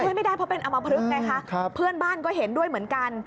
ไม่ได้เพราะเป็นอมพลึกไงคะเพื่อนบ้านก็เห็นด้วยเหมือนกัน